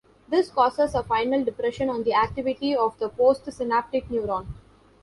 This causes a final depression on the activity of the postsynaptic neuron.